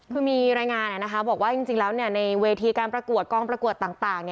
คือมีรายงานบอกว่าจริงแล้วในเวทีการประกวดกองประกวดต่าง